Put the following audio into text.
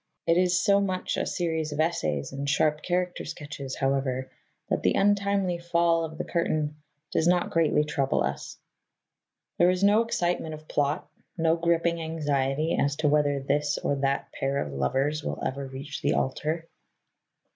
It is so much a series of essays and sharp character sketches, however, that the untimely fall of the curtain does not greatly trouble us. There is no excitement of plot, no gripping anxiety as to whether this or that pair of lovers will ever reach the altar.